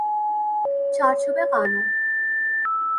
چارچوب قانون